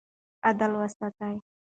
عدل وساتئ.